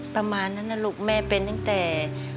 ประมาณนั้นนะลูกแม่เป็นตั้งแต่